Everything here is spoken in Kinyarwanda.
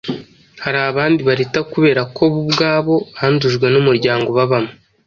Hari abandi barita kubera ko bo ubwabo bandujwe n’umuryango babamo